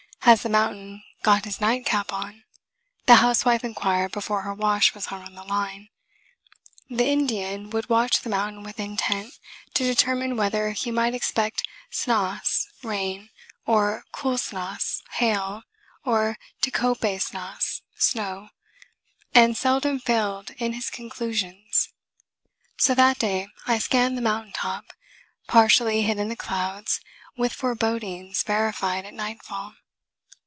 "Has the mountain got his nightcap on?" the housewife inquired before her wash was hung on the line. The Indian would watch the mountain with intent to determine whether he might expect snass (rain), or kull snass (hail), or t'kope snass (snow), and seldom failed in his conclusions. So that day I scanned the mountain top, partially hid in the clouds, with forebodings verified at nightfall.